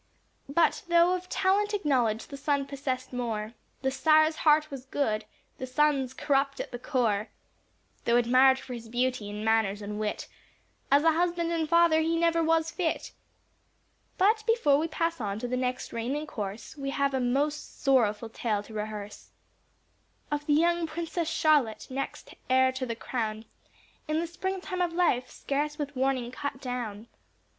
But though of talent acknowledged the son possessed more, The sire's heart was good, the son's corrupt at the core; Though admired for his beauty, and manners, and wit, As a husband and father he never was fit. But before we pass on to the next reign in course, We have a most sorrowful tale to rehearse, Of the young princess Charlotte, next heir to the crown, In the spring time of life, scarce with warning cut down.